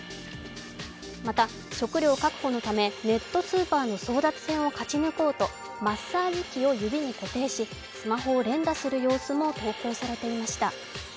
また、食料確保のため、ネットスーパーの争奪戦を勝ち抜こうとマッサージ器を指に固定しスマホを連打する様子も投稿されていました。